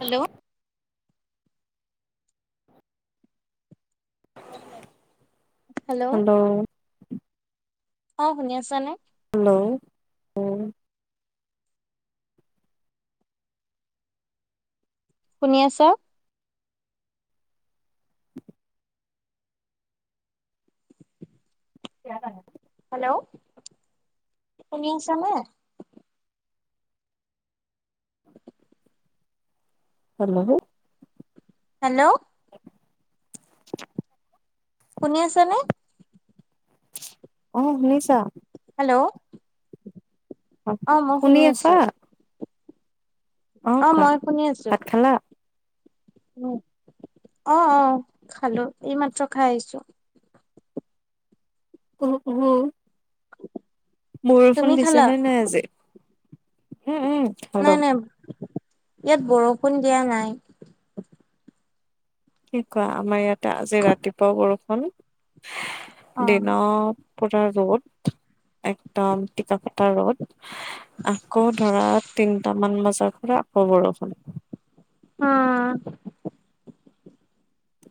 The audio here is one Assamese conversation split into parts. হেল্ল'! হেল্ল'? অ' শুনি আছা নে? হেল্ল'? উম। শুনি আছা। ইয়াত আহা। হেল্ল', শুনি আছা নে? হেল্ল'? হেল্ল'! কোনে আছা নে? অ' শুনিছা। হেল্ল', অ' মই শুনি আছো। অ' মই শুনি আছো। ভাত খালা উম। অ', অ' খালো, এইমাত্ৰ খাই আহিছো। উহু উহু, তুমি বৰষুণ খালা? দিছেনে নাই আজি। উম, উম নাই খালো। নাই ইয়াত বৰষুণ দিয়া নাই। কি কোৱা আমাৰ ইয়াতে আজি ৰাতিপুৱা বৰষুণ, অ দিনত পৰা ৰ'দ, একদম টিকাফটা ৰ'দ। আকৌ ধৰা তিনটামান বজাৰ পৰা আকৌ বৰষুণ। অহ'।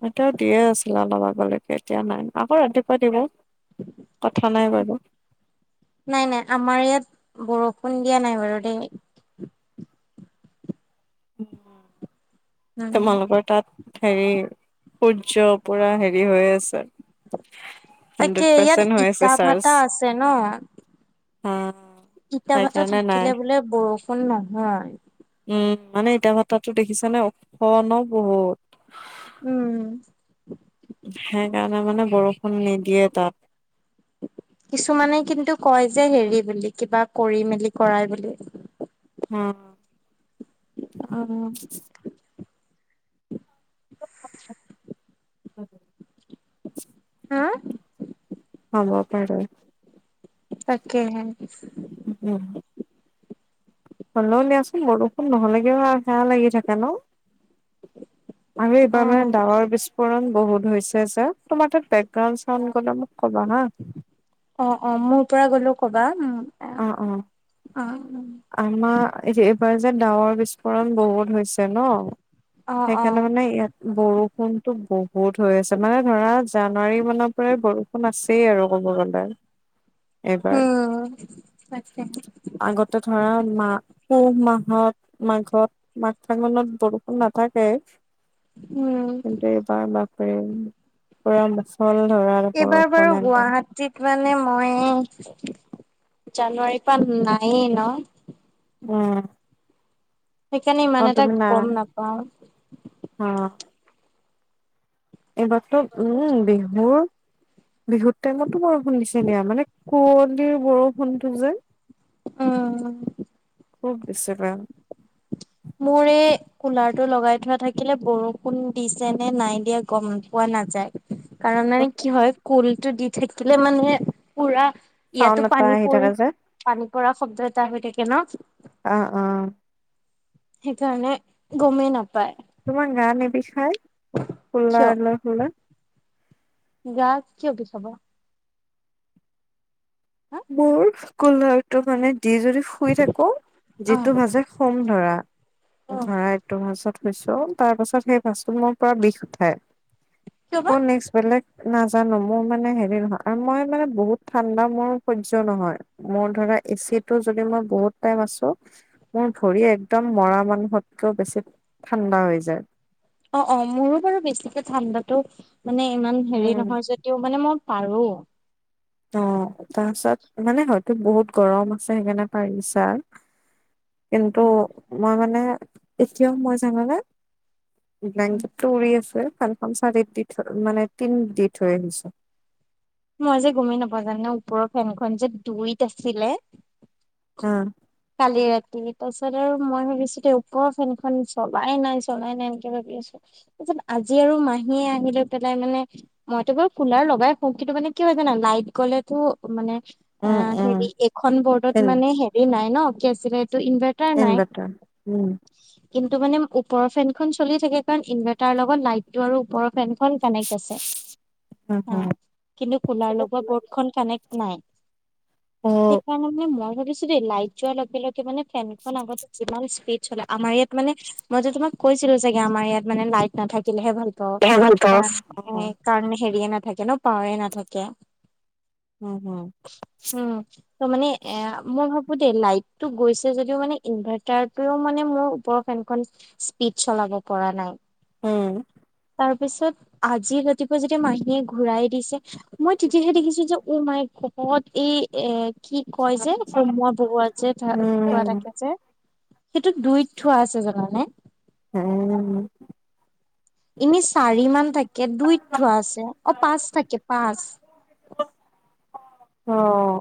এতিয়াও দিয়ে আছিলে অলপ আগলৈকে, এতিয়া নাই আকৌ ৰাতিপুৱা দিব। কথা নাই বাৰু। নাই, নাই। আমাৰ ইয়াত বৰষুণ দিয়া নাই বাৰু দেই। উম তোমালোকৰ তাত? হেৰি সূৰ্য, পুৰা হেৰি হৈ আছে। হাণ্ড্ৰেড তাকে ইয়াত পাৰ্চেন্ট ইটা-ভাটা আছে ন? উম। ইটা-ভাটা থাকিলে বোলে বৰষুণ নহয়। উম মানে ইটা-ভাত দেখিছানে, ওখ ন বহুত। উম। সেইকাৰণে মানে বৰষুণ নিদিয়ে তাত। কিছুমানে কিন্তু কয় যে, হেৰি বুলি কিবা কৰি মেলি কৰাই বুলি। উম। অহ'। [unintelligible] [unintelligible] হা? হ'ব পাৰে। তাকে হে। কেতিয়া হ'লেও দিয়াচোন বৰষুণ নহ'লে কিবা ভাল লাগি থাকে ন। আমি এইবাৰ মানে অ', ডাৱৰ বিস্ফোৰণ ণ বহুত হৈছে যে তোমাৰ তাত বেকগাউড চাউণ্ড গলে মোক ক'বা হা। অ', অ', মোৰ পৰা গ'লো ক'বা উ অ অ আমাৰ এইবাৰ যে ডাৱৰ বিস্ফোৰণ বহুত হৈছে ন! অ', সেইকাৰণে অ', মানে ইয়াত বৰষুণতো বহুত হৈ আছে মানে ধৰা জানুৱাৰী মানৰ পৰাই বৰষুণ আছেই আৰু ক'ব গ'লে। এইবাৰ উম তাকেই আগতে ধৰা মা পুহ মাহত মাঘত মাঘ, ফাগুনত বৰষুণ নাথাকে। উম, কিন্তু এইবাৰ বাপৰে পুৰা মছল ধৰা এইবাৰ বাৰু বৰষুণ একদম গুৱাহাটীত মানে মই জানুৱাৰীৰ পৰা নায়েই ন! উম সেইকাৰণে ইমান অ এটা তুমি নাই গম নাপাওঁ। অ এইবাৰতো উম বিহুৰ বিহুত টাইমতো বৰষুণ দিছে দিয়া মানে কুঁৱলিৰ বৰষুণটো যে উম খুব [unintelligible] [unintelligible] কুলাৰ টো লগাই থোৱা থাকিলে বৰষুণ দিছে নে নাই দিয়া গম পোৱা নাযায়। কাৰণ মানে কি হয় কুলটো দি থাকিলে মানে পুৰা চাউণ্ড ইয়াতো এটা পানী আহি পৰি থাকে যে পানী পৰা শব্দ এটা হৈ থাকে ন অ', অ'। সেইকাৰণে গমেই নাপায়। তোমাৰ গা নিবিষাই কিয় কোলাৰ লৈ [unintelligible] গা কিয় বিষাব। হা মোৰ কলাৰটো মানে দি যদি শুই থাকো অ যিটো ভাজে সোম ধৰা অ ধৰা ত ভাছত শুই তাৰ পাছত সেই ভাচটো মোৰ পৰা বিষ উঠাই। কিয় বা আকৌ নেক্স বেলেগ নাজানো, মোৰ মানে হেৰি নহয় আৰু মই মানে বহুত ঠাণ্ডা মোৰ সহ্য নহয় মোৰ ধৰা, এচি টো যদি মই বহুত টাইম আছো মোৰ ভৰি একদম মৰা মানুহতকেও বেছি ঠাণ্ডা হৈ যায়। অ', অ', মোৰো বাৰু বেছিকে ঠাণ্ডাতো মানে ইমান হেৰি উম নহয় যে তে মানে মই পাৰো। অ', তাৰপিছত মানে হয়তো বহুত গৰম আছে সেইকাৰণে পাৰিছা। কিন্তু মই মানে এতিয়াও মই জানোনে? ব্লেংকেটটো উৰি আছে। ফেনখন চাৰি দি থ মানে তিন দি থৈ আহিছোঁ। মই আজি যে গমেই নাপাওঁ জানানে, ওপৰৰ ফেনখন যে দুইত আছিলে। অ, কালি ৰাতি তাৰপিছত আৰু মই ভাবিছো তে ওপৰ ফেনখন চলাই নাই চলাই নাই ভাবি আছো তাৰপিছত আজি আৰু মাহীয়ে আহি লৈ পেলাই মানে মইতো বাৰু কুলাৰ লগাই শুম। কিন্তু মানে কি হয় জানা লাইট গ'লেতো মানে অ উম উম হেৰি এখন বৰ্ডত ইন মানে হে? হেৰি নাই ন কেটো ইনভাৰটাৰ নাই ইনভাৰ্টাৰ উম কিন্তু মানে ওপৰৰ ফেনখন চলি থাকে কাৰণ ইনভাৰ্টাৰ লগত লাইট টো আৰু ওপৰ ফেনখন কানেক্ট আছে হম অ', হম কুলাৰ লগোৱা বৰ্ড খন কানেক্ট নাই, উম সেই তাৰমানে মই ভাবিছোঁ দেই লাইট যোৱাৰ লগে লগে মানে ফেনখন আগতে যিমান স্পীড চলে আমাৰ ইয়াত মানে মই যে তোমাক কৈছিলোঁ চাগে আমাৰ ইয়াত মানে লাইট নথাকিলেহে ভাল। এ ভাল পাও অ', সেইকাৰণে হেৰিয়ে নাথাকে ন' পাৱাৰে নাথাকে। উম, হুম, উম, ত' মানে এ মই ভাবো দেই লাইট টো গৈছে যদিও মানে ইনভাৰ্টাৰটোও মানে মোৰ ওপৰ ফেনখন স্পীড চলাব পৰা নাই। উম, তাৰ পিছত আজি ৰাতিপুৱা যেতিয়া মাহীয়ে ঘুৰাই দিছে মই তেতিয়াহে দেখিছোঁঅঁ যে ও মাই গদ এই এ কি কয় যে কমোৱা বহুৱা যে ধোৱা উম থাকে যে। সেইটো দুইত থোৱা আছে জানানে। উম, এনেই চাৰি মান থাকে, দুইত থোৱা আছে অ' পাঁচ থাকে পাঁচ। অ',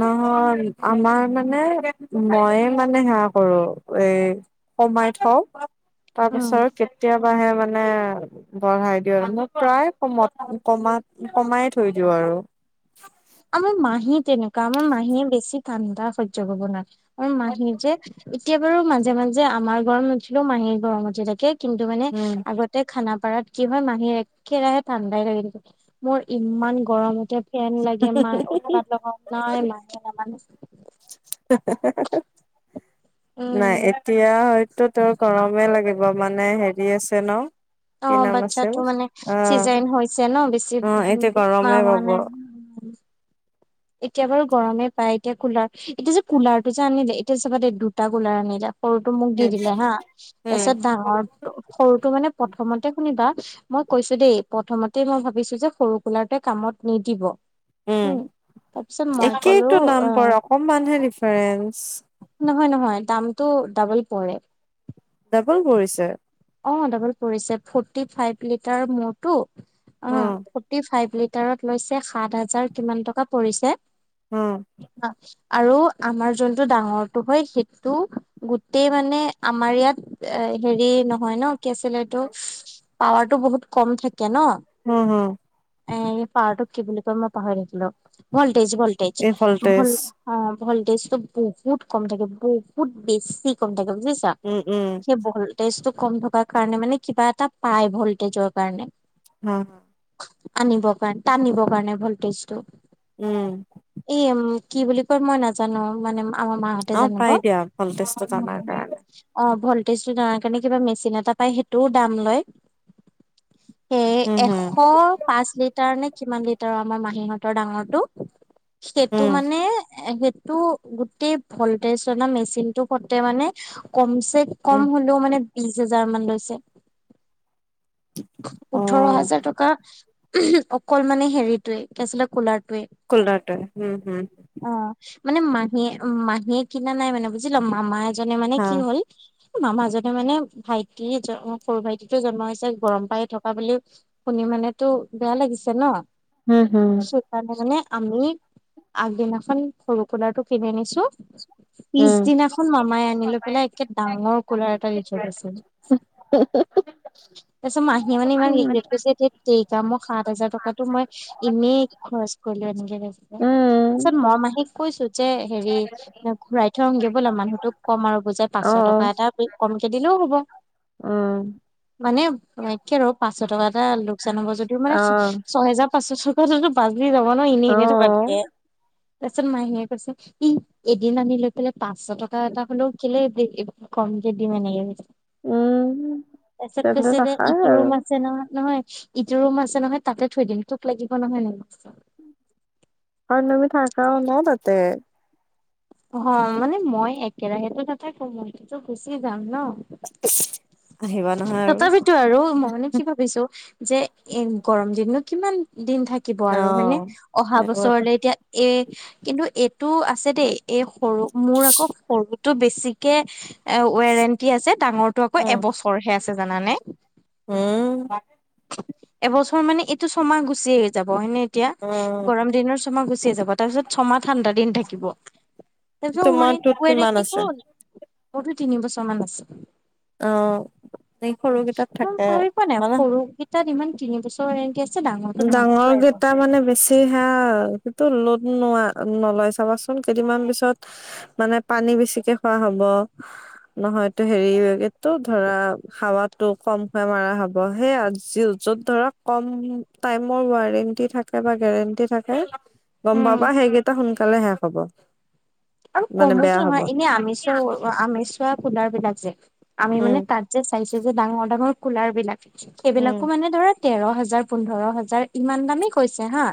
নহয়, আমাৰ মানে ময়ে মানে সেয়া কৰো এই সোমাই থওঁ তাৰ উম পিছত কেতিয়াবাহে মানে বঢ়াই দিওঁ আৰু মই প্ৰায় কমত কমাত কমাই থৈ দিওঁ আৰু। আমাৰ মাহী তেনেকুৱা আমাৰ মাহীয়ে বেছি ঠাণ্ডা সহ্য কৰিব নোৱাৰে, আমাৰ মাহী যে এতিয়া বাৰু মাজে মাজে আমাৰ গৰম নুঠিলেও মাহীৰ গৰমতে উঠি থাকে, কিন্তু মানে আগত তে খানাপাৰাত কি হয়? মাহী একেৰাহে ঠাণ্ডাই লাগি থাকে, মোৰ ইমান গৰম উঠে ফেন লাগে মাই উৎপাত লগাও নাই মাহীয়ে নাজানিছিল উম নাই এতিয়া হয়তো তোৰ গৰমে লাগিব মানে হেৰি আছে ন' অ কি নাম আছিল, বাচ্ছাটো মানে অ' চিজাৰিন হৈছে ন বেছি অ' এতিয়া মাহ গৰমে হোৱা পাব। নাই এতিয়া বাৰু গৰমে পায়, এতিয়া কুলাৰ এতিয়া যে কুলাৰটো যে আনিলে এতিয়া চাবা দুটা কুলাৰ আনিলে। সৰুটো মোক দি দিলে হাঁ, উম তাৰপিছত ডাঙৰ সৰুটো মানে প্ৰথমতে শুনিবা মই কৈছো দেই, প্ৰথমতে মই ভাবিছো যে সৰু কোলাৰটোৱে কামত নিদিব উম হুম একেইতো দাম পৰে, অকনমানহে ডিফাৰেঞ্চ নহয়, নহয, দামটো ডাবল পৰে। ডাবোল পৰিছে? অ', ডাবল পৰিছে, ফৰ্টি ফাইভ লিটাৰ মূৰটো। উম, ফৰ্টি ফাইড লিটাৰত লৈছে সাত হাজাৰ কিমান টকা পৰিছে। অ', আৰু আমাৰ যোনটো ডাঙৰটো হয়, সেইটো গোটেই মানে আমাৰ ইয়াত এ হেৰি ন হয় ন' কি আছিলে এইটো, পাৱাৰটো বহুত কম থাকে ন'। হুম, হুম। এই পাৱাৰ টোক কি বুলি কয়? মই পাহৰি থাকিলোঁ। ভল্টেজ ভল্টেজ এই ভল ভল্টেজ অ', ভল্টেজ তো বহুত কম থাকে! বহুত বেছি কম থাকে বুজিছাঁ! উম, উম, ভল্টেজটো কম থকাৰ কাৰণে মানে কিবা এটা পায়! ভল্টেজৰ কাৰণে অ', আনিব কাৰণে টানিব কাৰণে ভল্টেজ টো? উম, এ কি বুলি কয় মই নাজানো? মানে, আমাৰ মাহঁতে অ জানিব! পাই দিয়া ভল্টেজটোত আমাৰ কাৰণে অ', ভলটেজটো দাৰ কাৰণে কিবা মেচিন এটা পায় সেইটোও দাম লয়! সেই উম এশ হম পাঁচ লিটাৰ নে কিমান লিটাৰ আমাৰ মাহীহঁতৰ ডাঙৰটো! সেইটো উম মানে সেইটো গোটেই ভলটেজ অনা মেচিন টো হতে মানে কম চে উম কম হলেও মানে বিশ হাজাৰ মান লৈছে? অ ওঠৰ হাজাৰ টকা! অকল মানে হেৰিটোৱে কি আছিলে কুলাৰটোৱে! কুলৰাটো! হুম, হুম! অ', মানে মাহীয়ে মাহীয়ে কিনা নাই মানে, বুজিলা মামা এজনে মানে হা কি হ'ল মামা জনে মানে ভাইটি সৰু ভাইটি তো জন্ম হৈছে গৰম পাই থকা বুলি শুনি মানেতো বেয়া লাগিছে ন! উম, হুম! [unintelligible] আমি আগ দিনাখন সৰু কোলাৰটো কিনি আনিছোঁ উম পিছদিনাখন মামাই আনি লৈ পেলাই একে ডাঙৰ কোলাৰ এটা দি থয় গৈছে! [unintelligible] তাৰপিছত মাহীয়ে মানে ইমান উম ৰিগ্ৰেট কৰিছে যে টেৰিকা মই সাত হাজাৰ টকাটো মই এনেই খৰছ কৰিলোঁ এনেকে কৈছে। উম তাৰপাছত মই মাহীক কৈছো যে হেৰি ঘুৰাই থওঁ আহোগে বলা মানুহ মানু্হটোক কম আৰু বুজাই অ পাঁচশ টকা এটা কমকে দিলেও হব। উম, মানে, ৰ পাঁচশ টকা এটা লোকচান হ'ব! যদিও, মানে অ ছয়হেজাৰ পাঁচশ টকাটো বাচি যাব নহ অ এনেই থকাত কেই ই এদিন আনি লৈ পেলাই পাঁচশ টকা এটা হলেও কেলেই কম কে দিম এনেকে কৈছে! উম তাৰপিছত কৈছে যে ইটো ৰুম [inaudible] আছে নহয়, নহয়! ইটো ৰুম আছে নহয় তাতে থৈ দিম তোক লাগিব নহয়? অ', তুমি থাকাও ন তাতে! অ', মানে মই একেৰাহেতো নাথাকো মই তো গুচি যাম ন? [unintelligible] আহিবা নহয় আৰু তথাপিতো আৰু মই মানে কি ভাবিছোঁ! যে এ গৰম দিননো কিমান দিন থাকিব অ আৰু হয়নে আহাঁ আহিব আকৌ বছৰলে এতিয়া এ কিন্তু এইটো আছে দেই এই সৰু মোৰ আকৌ সৰুটো বেছিকে এ ৱেৰেণ্টি আছে ডাঙৰটো আকৌ এবছৰহে আছে জানানে। অ এবছৰ মানে এইটো ছমাহ গুচি যাব এনেই এতিয়া উম গৰম দিনৰ ছমাহ গুচিয়ে যাব তাৰপিছত ছমাহ ঠাণ্ডা দিন থাকিব তাৰপিছত উৰে তোমাৰটোত কিমান ৱাৰেণ্টি আছে কত মোতো তিনি বছৰ মান আছে। অ এই সৰুকেইটাত থাকে মানে। তাত ইমান তিন বছৰ এনেকে তিনি বছৰ ৱাৰেণ্টি আছে ডাঙৰটোত ডাঙৰ মাত্ৰ কেইটা এবছৰ [unintelligible] সেইটো লোট নোৱা-নলয় চাবাচোন, কেইদিনমান পিছত মানে পানী বেছিকে খোৱা হ'ব নহয়তো হেৰি এইটো ধৰা হাৱাটো কমকে মাৰা হ'ব, সেই আৰু যি য'ত ধৰা কম টাইমৰ ৱাৰেন্টি থাকে বা গেৰেন্টি থাকে গম উম পাবা সেইকেইটা সোনকালে শেষ হ'ব। আৰু মানে কমোতো বেয়া হব নহয়, এনে আমি চোৱা-আমি চোৱা কোলাৰ বিলাক যে, আমি উম মানে তাত যে চাইছোঁ যে ডাঙৰ ডাঙৰ কুলাৰ বিলাক, উম সেইবিলাকো মানে ধৰা তেৰ হাজাৰ, পোন্ধৰ হাজাৰ ইমান দামেই কৈছে হা,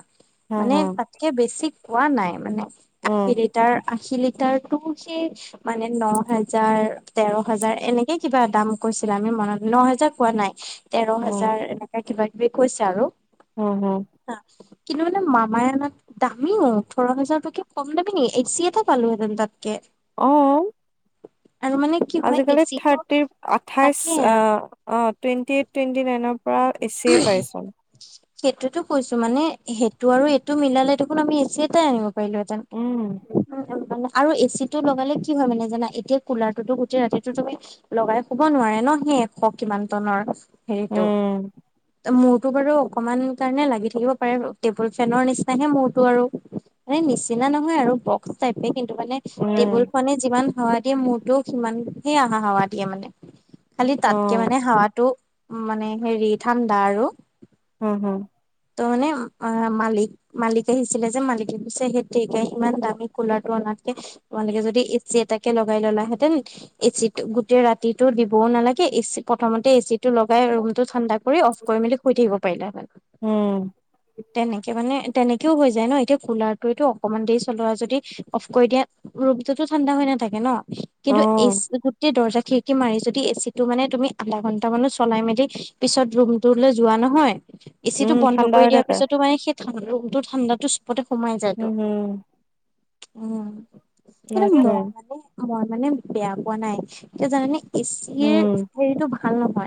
হম মানে হম তাত কে বেছি কোৱা নাই মানে, উম আশী লিটাৰ-আশী লিটাৰটোও সেই মানে ন হাজাৰ, তেৰ হাজাৰ, এনেকে কিবা দাম কৈছিলে, আমি মনত-ন হেজাৰ কোৱা নাই। তেৰ উম হাজাৰ, এনেকে কিবা কিবি কৈছে আৰু। উম হুম। হা, কিন্তু মানে, মামাই আনাটো দামী, ওঁঠৰ হেজাৰটো কি কম দামী নেকি? কে পালোঁহেঁতেন তাতকে। অ'। আৰু মানে কি হয় আজিকালি এচিটো থাৰ্টিৰ-আঠাইছ, তাকে আ অ', টুৱেণ্টি এইট, টুৱেণ্টি নাইনৰ পৰা এ চিয়ে পাই চোন। সেইটোৱেইতো কৈছোঁ, মানে সেইটো আৰু এইটো মিলালে দেখোন আমি এ চি এটাই আনিব পাৰিলোঁ হেঁতেন উম উম উম, আৰু এ চি টো লগালে কি হয় মানে জানা, এতিয়া কুলাৰটোতো গোটেই ৰাতিটো তুমি লগাই শুব নোৱাৰে ন, সেই এশ কিমান টনৰ হেৰিটো। উম। মোৰটো বাৰু অকমান কাৰণে লাগি থাকিব পাৰে, টেবুল ফেনৰ নিচিনাহে মোৰটো আৰু। মানে নিচিনা নহয় আৰু বক্স টাইপেই, কিন্তু মানে উম টেবুল ফেনে যিমান হাৱা দিয়ে, মোৰটোৱেও সিমান হে আহা-হাৱা দিয়ে মানে। খালি অ তাতকে মানে হাৱাটো মানে হেৰি, ঠাণ্ডা আৰু। উম হুম। ত' মানে অ' মালিক মালিক আহিছিলে যে, মালিকে কৈছে হেইত তেৰিকা, ইমান দামী কুলাৰটো অনাতকে তোমালোকে যদি এ চি এটাকে লগাই ল'লাহেঁতেন এ চিটো গোটেই ৰাতিটো দিবও নালাগে, এ চি-প্ৰথমতে এ চি টো লগাই ৰুম টো ঠাণ্ডা কৰি, অফ কৰি মেলি শুই থাকিব পাৰিলাহেঁতেন। [inaudible] তেনেকে মানে তেনেকেও হৈ যায় ন, এতিয়া কুলাৰটো এইটো অকমান দেৰি চলোৱা যদি অফ কৰি দিয়া ৰুমটোতো ঠাণ্ডা হৈ নাথাকে ন? অ কিন্তু এছ-গোটেই দৰ্জা খিৰিকি মাৰি যদি এ চিটো মানে তুমি আধা ঘন্টামানো চলাই মেলি পিছত ৰুমটোলৈ যোৱা নহয়, এ চিটো উম বন্ধ ঠাণ্ডা কৰি হৈ দিয়া থাকে পিছতো মানে সেই ৰুমটো ঠাণ্ডাটো চবতে সোমাই যায়তো, উম হম উম। কিন্তু সেইটোৱে মই মানে-মই মানে বেয়া পোৱা নাই, কিয় জানানে এ চিৰ উম হেৰিটো ভাল নহয়।